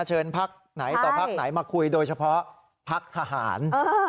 พักไหนต่อพักไหนมาคุยโดยเฉพาะพักทหาร